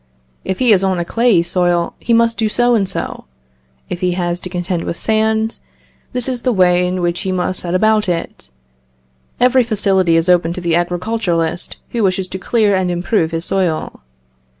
If he is on a clayey soil, he must do so and so. If he has to contend with sand, this is the way in which he must set about it. Every facility is open to the agriculturist who wishes to clear and improve his soil.